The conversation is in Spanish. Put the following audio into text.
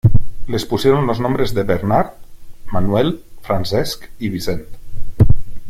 Les pusieron los nombres de Bernat, Manuel, Francesc y Vicent.